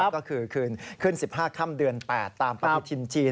ก็คือคืนขึ้น๑๕ค่ำเดือน๘ตามปฏิทินจีน